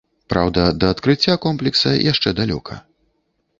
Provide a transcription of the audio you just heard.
Праўда, да адкрыцця комплекса яшчэ далёка.